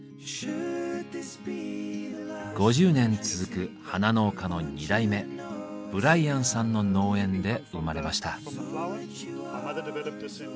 ５０年続く花農家の二代目ブライアンさんの農園で生まれました。